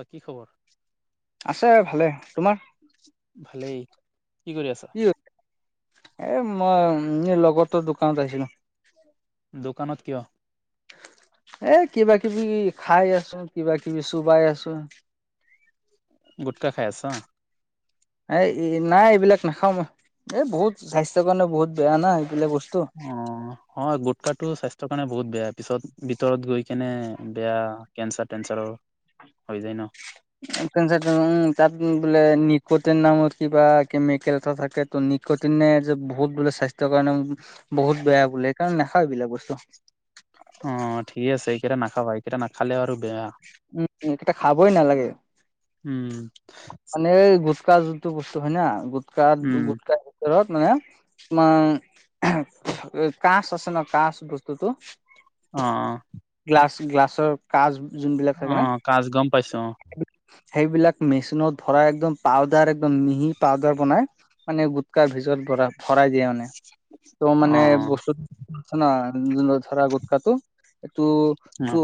বাকি খবৰ আছে আৰু ভালে তোমাৰ? ভালেই কি কৰি আছ' এ মই এ লগৰটো দোকানত আহিছিলুং দোকানত কিয়? এ কিবা কিবি খাই আছো কিবা কিবি চোবাই আছো গুটখা খাই আছ' এই এই নাই এইবিলাক নাখাওঁ মই এই বহুত স্বাস্থ্যৰ কাৰণে বহুত বেয়া না এইবিলাক বস্তু অহ অ গোটকাটো স্বাস্থ্যৰ কাৰণে বহুত বেয়া পিছত ভিতৰত গৈ কেনে বেয়া কেঞ্চাৰ টেঞ্চাৰৰ হৈ যায় ন তাত বোলে নিকোতৰ নামত কিবা মেকেলতা থাকে টনিক কঠিন নে যে বহুত বোলে স্বাস্থ্যৰ কাৰণে বহুত বেয়া বোলে সেইকাৰণে নাখাও এইবিলাক বস্তু অ ঠিকে আছে এইকেইটা নাখাবা এইকেইটা নাখালে আৰু বেয়া উম এগিতা খাবই নালাগে উম, মানে এই ব গোটকা যোনটো বস্তু হয় না গোটাকা উম। গোটকা ভিতৰত মানে তোমাৰ কাছ আছে ন কাছ বস্তুটো অ অ গ্লাছ গ্লাছৰ কাছ যোনবিলাক থাকে না অ', কাজ গম পাইছো সেইবিলাক মেচিনত ভৰাই একদম পাউদাৰ একদম মিহি পাউদাৰ বনাই মানে গুটখা ভিতৰত ভৰা ভৰাই দিয়ে মানে তো মানে অ', বস্তু আছে না ধৰা গুটকাটো এইটো চ অ',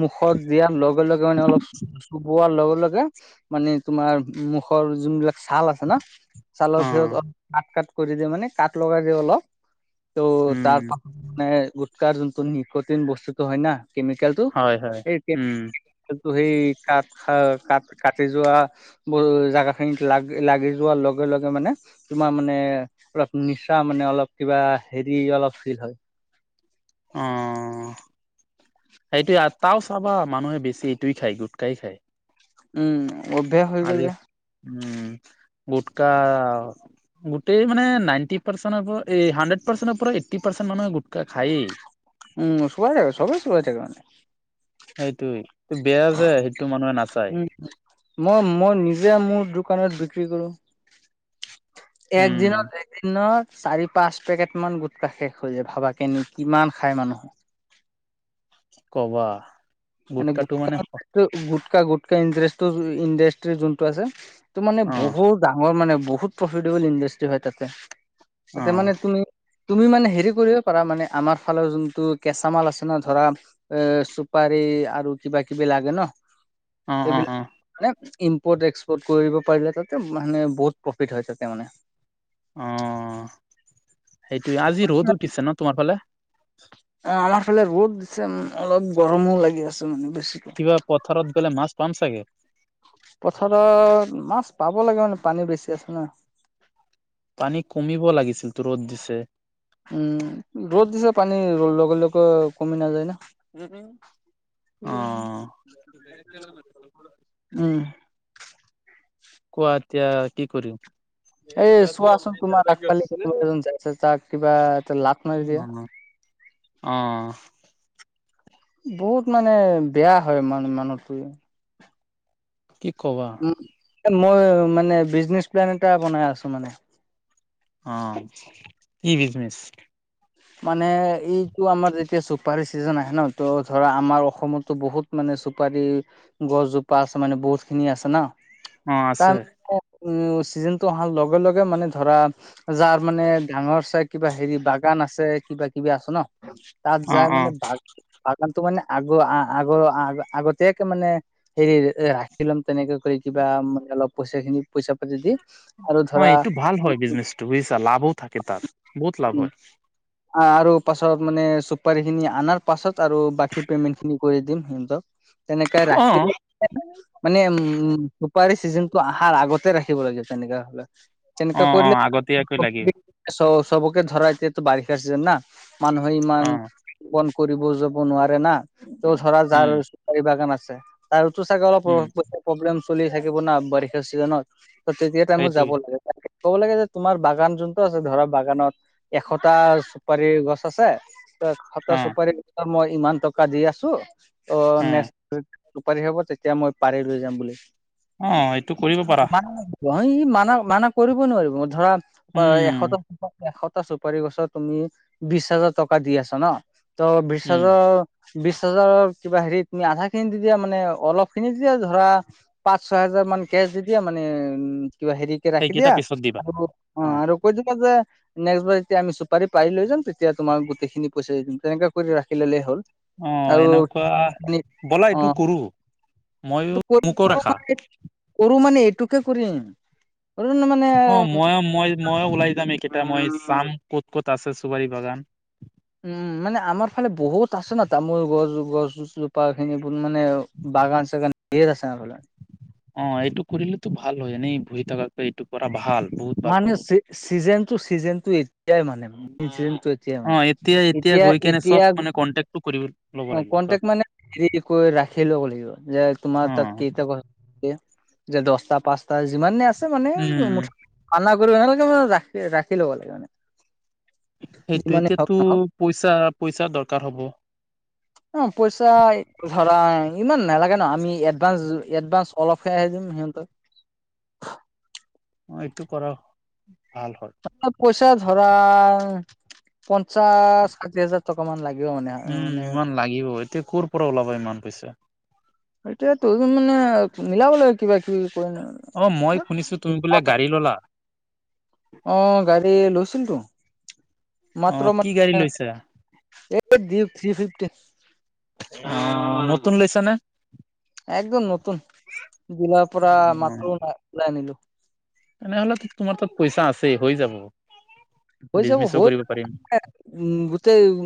মুখত দিয়াৰ লগে লগে মানে অলপ চোবোৱাৰ লগে লগে মানে তোমাৰ মুখৰ যোনবিলাক ছাল আছে ন ছালৰ ভিৰত অ', অলপ কাত কাত কৰি দিয়ে মানে কাত লগাই দিয়ে অলপ ত' উম, তাৰ পাছত মানে গুটকা যোনটো নিকটিন বস্তুটো হয় না কেমিকেলটো হয়, হয়। সেই উম, কেমিকেলটো সেই কাত খা কাটি যোৱা বোৰ জাগা খিনিত লাগি লাগি যোৱাৰ লগে লগে মানে তোমাৰ মানে অলপ নিচা মানে অলপ কিবা হেৰি অলপ ফিল হয় অ সেইটোয়ে আতাও চাবা মানুহে বেছি এইটোয়ে খায় গুটকাই খায় উম অভ্যয়া হৈ গ'ল আজি যে উম গুটকা গোটেই মানে নাইনটি পাৰ্চেনৰ পৰা এ হাণ্ড্ৰেত পাৰ্চেনট পৰা এইটি পাৰ্চেনট মানুহে গুটকা খায়েই উম চোৱাই ছবেই চোবাই থাকে মানে সেটোৱে এইটো বেয়া যে সেইটো মানুহে নাচায় উম মই মই নিজে মোৰ দোকানত বিক্ৰী কৰোঁ এক উম, দিনতে- দিনত চাৰি-পাঁচ পেকেট মান গোট কা শেষ হৈ যায়, ভাবা কেনে কিমান খাই মানুহে। কি কবা। মানে গুটকাটো গুটকা, অ', গুটকা-গুটকা ইণ্ডাষ্ট্ৰি যোনটো আছে। ত' মানে অ', বহুত ডাঙৰ মানে বহুত প্ৰফিটেবল ইণ্ডাষ্টি হয়, তা'তে, তা'তে মানে অ', তুমি তুমি মানে হেৰি কৰিব পাৰা মানে আমাৰ ফালৰ যোনটো কেঁচা মাল আছে ন' ধৰা- এ' চুপাৰী আৰু কিবা-কিবি লাগে ন। অঁহ', -অঁহ', এইবিলাক -অঁহ-। মানে ইম্পৰ্ট এক্সপৰ্ট কৰিব পাৰিলে তা'তে মানে বহুত প্ৰফিট হয় তা'তে মানে। অঁহ', -সেইটোৱেই। আজি ৰ'দো দিছে ন' তোমাৰ ফালে? অঁহ', -আমাৰ ফালে ৰ'দ দিছে, অলপ গৰমো লাগি আছে মানে বেছিকৈ। কিবা পথাৰত গ'লে মাছ পাম চাগে। পথাৰত মাছ পাব লাগে মানে পানী বেছি আছে ন। পানী কমিব লাগিছিল তো ৰ'দ দিছে। উম' ৰ'দ দিছে, পানী লগে-লগে কমি নাযায় ন। অ', উমঁ। কোৱা এতিয়া কি কৰিম। এই চোৱাচোন তোমাৰ আগফালি তাৰ এজন যাইছে তাক কিবা এ লাখ নাই দিয়া। অঁহ। বহুত মানে বেয়া হয় মানে মানুহটো। কি কবা আৰু। উম মই মানে বিজনেচ প্লেন এটা বনাই আছো মানে। অঁহ', -কি বিজনেছ? মানে এইটো আমাৰ যেতিয়া চুপাৰী ছিজন আহে ন' তো ধৰা আমাৰ অসমতো বহুত- মানে চুপাৰি গছজোপা আছে মানে বহুত খিনি আছে ন' অ', আছে। তাৰ- উমঁ, চিজনটো অহাৰ লগে-লগে মানে ধৰা যাৰ মানে ডাঙৰ চাই কিবা হেৰি বগা- আছে কিবা-কিবি আছে ন' তা'ত অ যাই অ মানে বগ- বাগানটো মানে আগ, আগ, আগ, আগতিয়াকৈ মানে হেৰি- লম। তেনেকে কৰি কিবা মানে অলপ পইচা খিনি পইচা-পাতি দি। আৰু ধৰা হয়, এইটো ভাল হয় বিজনেচটো বুজিছা, লাভও থাকে তাৰ বহুত লাভ উম হয়। আৰু পাছত মানে চুপাৰী খিনি আাৰ পাছত আৰু বাকী পেমেন্ট খিনি কৰি দিম সিহঁতক। তেনেকে অ ৰাখিম। মানে উম' চুপাৰী চিজনটো অহাৰ আগতে ৰাখিব লাগিব তেনেকা হ'লে। অ তেনেকুৱা অ কৰিলে- আগতীয়াকৈ লাগে চবকে ধৰা এতিয়া বাৰিষা চিজন ন, মানুহে অ ইমান- পন কৰিব যাব নোৱাৰে না, ত' ধৰা যাৰ উম চুপাৰী বাগান আছে। তাৰটো চাগে অলপ উম প্ৰব্লেম চলি থাকিব ন' বাৰিষা চিজনত। ত' তেতিয়া টাইমত সেইটোৱে যাব লাগে, ক'ব লাগে যে তোমাৰ বাগান যোনটো আছে ধৰা বাগানত। এশটা চুপাৰী গছ আছে। এশটা অ চুপাৰী- ত' মই ইমান টকা দি আছো, ত' উম নেক্স- চুপাৰি হ'ব, তেতিয়া মই পাৰি লৈ যাম বুলি। অঁহ', এইটো কৰিব পাৰা। অঁহ', - ই মানা মানা কৰিব নোৱাৰিব, ধৰা উম এশটা, এশটা চ- চুপাৰি গছত তুমি বিশ হাজাৰ টকা দি আছা ন। ত' বিশ উম হাজাৰ- বিশ হাজাৰৰ কিবা হেৰিত তুমি আধা খিনি দি দিয়া মানে, অলপ খিনি দি দিয়া ধৰা পাঁচ ছয় হেজাৰ মান কেচ দি দিয়া মানে উম, কিবা হেৰি কে ৰাখি সেইকেইটা দিয়া পিছত দিবা আৰু অ, আৰু কৈ ক নেক্ ব [unintelligible] তেতিয়া আমি চুপাৰ পাই লৈ যাম তেতিয়া তোমাক গোটেইখিনি পইচা দিম তেনেকুৱা কৰি ৰাখি ললে হ'ল। অ আৰু এনেকুৱা ব'লা এইটো অ', কৰো মইয়ো মোকো ৰাখা মান কৰো মানে এটুকে কৰিম। অ, মানে ময়ো মই ময়ো ওলাই যাম এইকেটা মই চাম ক'ত ক'ত আছে চুপাৰি বাগান। উম, মানে আমাৰ ফালে বহুত আছে ন' তামোল গছ গছজোপা খিনি মানে বাগান চাগান। ধেই আছে আমাৰ ফালে। অ, এইটো কৰিলেতো ভাল হয়। এনে বহি থাকাত এইটো কৰা ভাল বহুত ভাল মানে হ'ব চিজেন টো চিজেন টো এতিয়াই মানে। য়া অ মানে এতিয়া গৈ কেনে চব এতিয়া মানে কন্টেক্টটো কৰিব ল'ব অ, লাগিব চব কনটেক মানে কৈ ৰাখি লব লাগিব যে তোমাৰ অ তাত কেইটা কথা। যে দচটা পাঁচটা যিমানে আছে মানে উম মুঠতে, কনা কৰিব নহাগ ম ৰা ৰাখি ল'ব লাগ মানে, সেইটো যিমানে হওক এতিয়াতো নহওক। পইচা পইচাৰ দৰকাৰ হ'ব। অ, পইচা ইমান নালাগে ন আমি এডভান্স এডভান্স অলপহে আহি দিম সিহঁতক। অ, এইটো কৰা ভাল হয়। পইচা ধৰা পঞ্চাশ ষাঠি হাজাৰ টকা মান লাগিব মানে। উম, মানে ইমান লাগিব এতিয়া কৰ পৰা ওলাব ইমান পইচা? এতিয়া তোৰ মানে মিলাব লাগিব কিবা কিবি কৰি। অ, মই শুনিছো তুমি বোলে গাড়ী ললা। অ, গাড়ী লৈছিলটো। অ মাত্ৰ ম কি গাড়ী লৈছা এই থ্ৰী ফিফট। অ, নতুন লৈছা নে? একদম নতুন দিলাৰ পৰা অ মাত্ৰ নাই ওলাই আনিলো। তেনেহলে তোমাৰ তাত পইচা আছেই হৈ যাব হৈ যাব বিজনেচো হৈ কৰিব পাৰিম। উম, গোটেই উ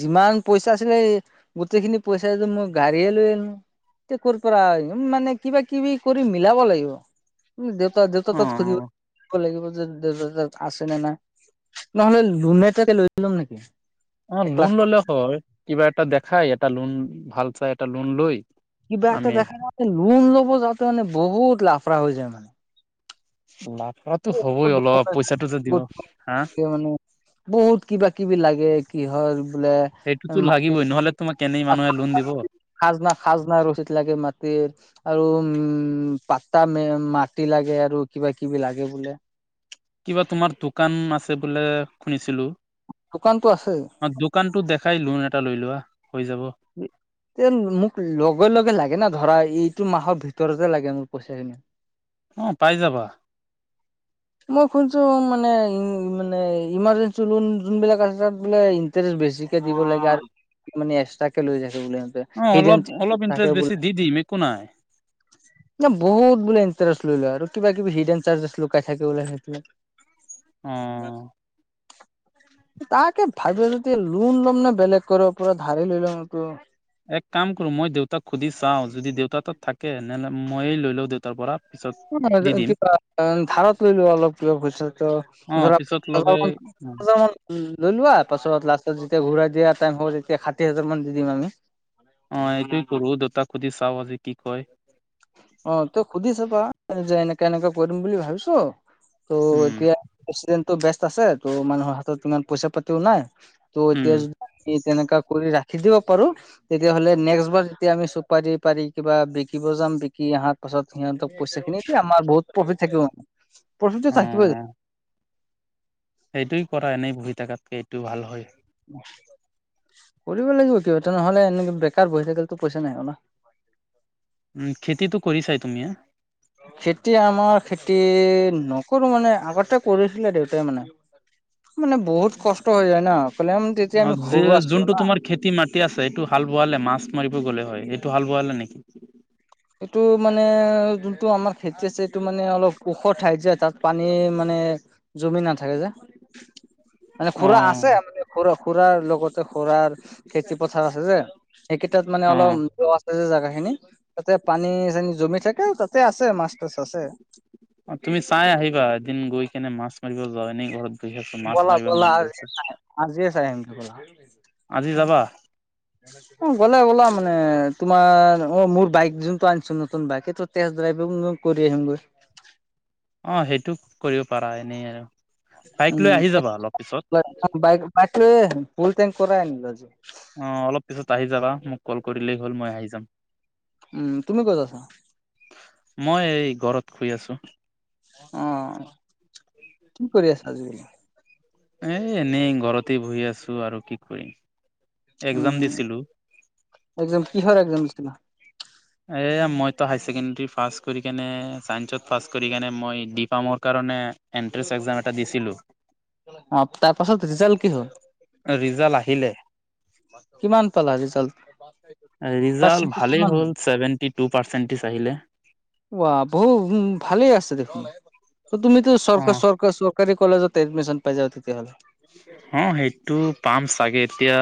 যিমান পইচা আছিলে গোটেইখিনি পইচাটো মই গাড়ীয়ে লৈ আনো। ক পৰা আহিম মানে কিবা কিবি কৰি মিলাব লাগিব। উম, দেউতা-দেউতা অ তাত খুজিব লাগিব যে দেউতা তাত আছে নে নাই? নহ'লে লুনে ততে লৈ লোম নেকি? অ, এক লোন লাখ টকা ললে হয় কিবা এটা দেখাই এটা লোন ভাল চাই এটা লোন লৈ কিবা এটা আমি দেখা যাওঁ যে লোন ল'ব যাতে মানে বহুত লাফ্রা হৈ যায় মানে। লাফ্রাটো হ'বই বহুত অলপ ডকুমেণ্ট পইচাটো যে দিব হা। মানে বহুত কিবা কিবি লাগে কি হয় বোলে, সেইটোতো মাটিৰ লাগিবই নহলে তোমাক কেনেই মানুহে লোন দিব। খাজনা-খাজনা ৰচিত লাগে মাটিৰ। আৰু উম, পাট্টা মাটি লাগে আৰু কিবা কিবি লাগে বোলে। কিবা তোমাৰ দোকান আছে বোলে শুনিছিলো। দোকানতো আছে। অ, দোকানতো দেখাই লোন এটা লৈ লোৱা হৈ যাব। তে মোক লগে-লগে লাগে ন' ধৰা এইটো মাহৰ ভিতৰতে লাগে মোৰ পইচা খিনি। অ, পাই যাবা। মই শুনছো মানে মানে ইমাৰজেঞ্চি লোন যোনবিলাক আছে তাত মানে ইন্টাৰেষ্ট বেছি দিব লাগে আৰু মানে এক্সট্ৰাক কে লৈ যছো বুলি অ অলপ অলপ ইণ্টাৰেষ্ট বেছি দি দিম একো নাই ন বহুত বোলে ইণ্টাৰেষ্ট লৈ লয় আৰু কিবা কিবি হিড এন চাৰ্জে লকাই থাকে বোলে সেইটো অ এইবিলাক তাকে ভাবি যদি লোন ল'ম নে বেলেগ কৰবা পৰা ধাৰ লৈ ল'ম এইটো এক কাম কৰো মই দেউতাক সুধি চাওঁ যদি দেউতা তত থাকে তেহ'লে মইয়ে লৈ লওঁ দেউতাৰ পৰা পিছত দি দিম কিবা ধাৰত লৈলো অলপ কিব পইচা টো ধৰা উম পঞ্চাশ জাৰ মান লৈ লোৱা পাছত লাষ্টত যেতিয়া ঘূৰাই দিয়া টাইম হব তেতিয়া ষাঠি হাজাৰ মান দি দিম আমি অ এইটোয়ে কৰো দেউতাক সুধি চাও আজি কি কয় অ ত সুধি চাবা যে এনেকা এনেকা কৰিম বুলি ভাবিছো ত উম এতিয়া পেচিডেণ্টো বেষ্ট আছে ত' মানুহৰ হাতত ইমান পইচা পাতিও নাই ত' উম এতিয়া য দি তেনেকা কৰি ৰাখ খি দিব পাৰো তেতিয়াহ'লে নেক্সট বাৰ যেতিয়া আমি চুপাৰি পাৰি কিবা বিকিব যাম বিকি আহাত ত পাছত সিহঁতক পইচা খিনি আমাৰ বহুত প্ৰফিট থাকিব প্ৰফিটটো অ থাকিবই অ সেইটোৱে কৰা এনেই ঘূৰি থকাতকে এইটো ভাল হয় কৰিব লাগিব কিবা এটা নহলে এনে বেকাৰ বহি থাকিলেটো পইচা নাহিব ন উ খেতিটো কৰি চাই তুমি হা খেতি আমাৰ খেতি নকৰোঁ মানে আগতে কৰিছিলে দেউতাই মানে মানে বহুত কষ্ট হৈ যায় ন কলে অ যে যোনটো তোমাৰ খেতি মাটি আছে সেইটো হাল বোৱালে মাছ মাৰিব গ'লে হয় এইটো হাল বোৱালে নেকি এইটো মানে যোনটো আমাৰ খেতি আছে এইটো মানে অলপ ওখ ঠাইত যায় তাত পানী মানে জমি নাথাকে যে মানে অ খুৰা আছে মানে খু খুৰাৰ লগতে খুৰাৰ খেতি পথাৰ আছে যে সেইকেইটাত মানে অলপ অ দ আছে যে জেগা খিনি তাতে পানী চানী জমি থাকে তাত আছে মাছ থাছ আছে অ তুমি চাই আহিবা এদিন গৈ কিনে মাছ মাৰিব যোৱা এনেই ঘৰত বহি আছো মাছ ব'লা মাৰিব ব'লা মন গৈ আজি আছে আজিয়ে চাই আহিম গে বলা আজি যাবা উ অ গ'লে ওলাম মানে তোমাৰ অ মোৰ বাইক যোনটো আনিছো নতুন বাইক এইটোত টেষ্ট ড্ৰাইভিং ও কৰি আহিমগৈ অ সেইটো কৰিব পাৰা এনেই আৰু বাইক লৈ আহি যাবা অলপ পিছত বাই বাইক অ ফুল তেং কৰাই আনিলো আজি অ অলপ পিছত আহি যাবা মোক কল কৰিলেই হ'ল মই আহি যাম উম তুমি ক'ত আছা মই এই ঘৰত শুই আছো অ কি কৰি আছা আজি এ এনেই ঘৰতে বহি আছো আৰু কি কৰিম একজাম দিছিলো এক্জাম কিহৰ এক্জাম দিছিলা এই মইতো হায়াৰ ছেকেণ্ডেৰী পাছ কৰি কেনে ছাইন্সত পাছ কৰি কেনে মই ডি পামৰ কাৰণে এণ্ট্ৰেন্ঞ্চ একজাম এটা দিছিলোঁ অ তাৰ পাছত ৰিজাল্ট কি হ'ল ৰিজাল্ট আহিলে কিমান পালা ৰিজাল্ট ৰিজাল্ট পাৰ্চেন্টেজ ভালেই কিমান হ'ল ছেভেনটি টু পাৰ্চেটিজ আহিলে বা বহু উ ভালেই আছে দেখোন তুমিতো অ চৰকাৰ চৰ চৰকাৰী কলেজত এডমিশন পাই যাবা তেতিয়াহলে অ সেইটো পাম চাগে এতিয়া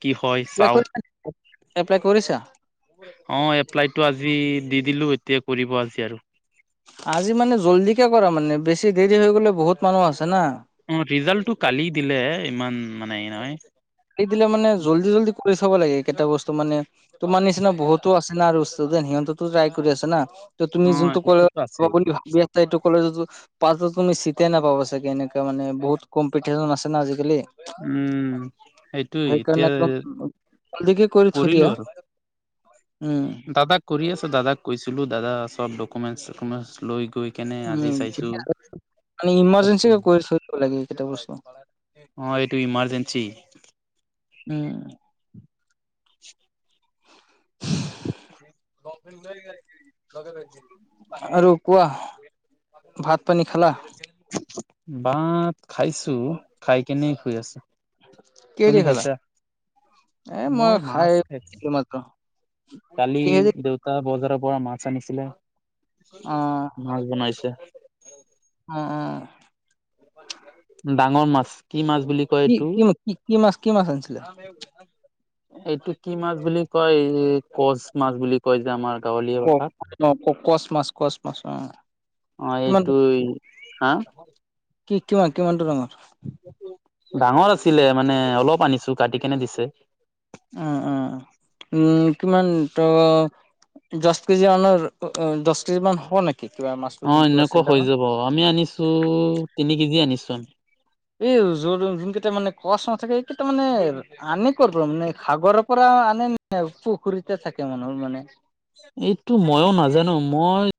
কি হয় এপ্লাই চাও কৰিছা এপ্লাই কৰিছা অ এপ্লাইটো আজি দি দিলো এতিয়া কৰিব আজি আৰু আজি মানে জল্ডিকে কৰা মানে বেছি দেৰি হৈ গ'লে বহুত মানুহ আছে না অ ৰিজাল্টটো কালি দিলে ইমান মানে হেৰি নহয় কালি দিলে মানে জল্দি জল্দি কৰি চাব লাগে কেইটা বস্তু মানে তোমাৰ নিচিনা বহুত সিহঁতো আছে না আৰু ষ্টুডেণ্ট সিহঁতো ট্ৰাই কৰি আছে না ত তুমি অ যোনটো সেইটোতো কৰিম আছেই বুলি ভাবি আছা এইটো কলেজতো পাঁচ দচজনে তুমি চিতেই নাপাবা চাগে এনেকুৱা মানে বহুত কম্পিটিশন আছে না আজিকালি উম সেইটো সেইকাৰণে একদম জল্ডি কৰি থৈ কৰিলো দিয়া আৰু উম দাদাক কৰি আছো দাদাক কৈছিলো দাদা চব ডকুমেন্টছ চকুমেন্টছ লৈ গৈ কেনে আজি উম চাইছো ঠিকে আছে মানে চব ইমাৰ্জেঞ্চি কৰিম কৰি থৈ দিব লাগে এই কেইটা বস্তু অ এইটো ইমাৰ্জেঞ্চি উম [inaudible] [unintelligible] আৰু কোৱা ভাত পানী খালা ভাত খাইছো খাই কেনে শুই আছো কি তুমি দি খালা খাইছা এ মই খাই মাছ খাইছো এইমাত্ৰ কালি দেউতা বজাৰৰ পৰা মাছ আনিছিলে অ মাছ বনাইছে অ অ [inaudible] ডাঙৰ মাছ কি মাছ বুলি কয় কি এইটো কি কি কি মাছ কি মাছ আনিছিলে এইটো কি মাছ বুলি কয় এই কছ মাছ বুলি কয় যে আমাৰ গাঁৱলীয়া ভাষাত অ কচ মাছ কচ মাছ অ অ কিমান এইটো হা কি কিমান কিমানটো ডাঙৰ ডাঙৰ আছিলে মানে অলপ আনিছো কাটি কেনে দিছে অ অ উম কিমান ত দচ কেজি মানৰ দচ কেজি মান হব নেকি কিবা মাছটোৰ অ যোনটো এনেকুৱা আছিলে হৈ যাব আমি আনিছো তিনি কেজি আনিছো এই য যোন কেইটা মানে কচ নাথাকে এই কেইটাৰ মানে আনে কৰ' পৰা মানে সাগৰৰ পৰা আনে নে পুখুৰীতে থাকে মানুহৰ মানে এইটো মইও নাজানো মই